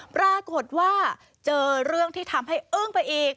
ปรากฏว่าเจอเรื่องที่ทำให้อึ้งไปอีก